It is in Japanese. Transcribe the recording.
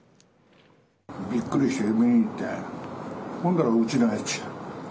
びっくりして見に行ったら、ほんだら、うちのやつだった。